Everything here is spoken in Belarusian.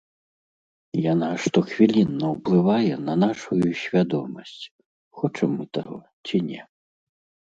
Яна штохвілінна ўплывае на нашую свядомасць, хочам мы таго ці не.